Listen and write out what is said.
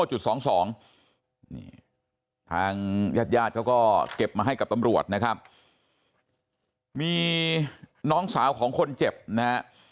นี่ทางญาติญาติเขาก็เก็บมาให้กับตำรวจนะครับมีน้องสาวของคนเจ็บนะฮะ